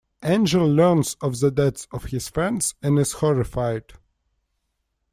Angel learns of the deaths of his friends and is horrified.